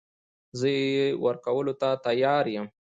زه يې ورکولو ته تيار يم .